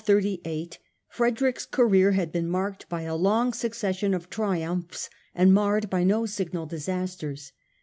UNTIL the year 1238, Frederick's career had been marked by a long succession of triumphs and marred by no signal disasters.